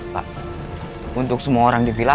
pak untuk semua orang di villa